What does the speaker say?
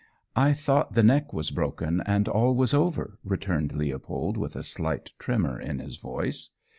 "I thought the neck was broken and all was over," returned Leopold, with a slight tremor in his voice.